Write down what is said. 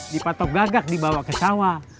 di patok gagak dibawa ke sawah